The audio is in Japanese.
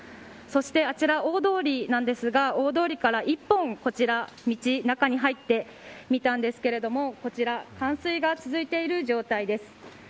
そしてあちら、大通りなんですが大通りから一本こちら道、中に入ってみたんですが冠水が続いている状態です。